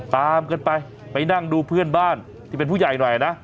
ตามกันไปไปนั่งดูเพื่อนบ้านที่เป็นผู้ใหญ่หน่อยนะ